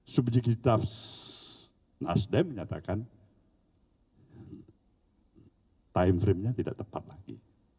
subjektivitas nasdem menyatakan time frame nya tidak tepat lagi